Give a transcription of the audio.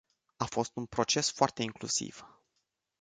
A fost un proces foarte incluziv.